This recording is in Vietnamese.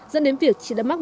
dẫn đến việc chị đã mắc